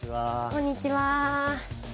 こんにちは。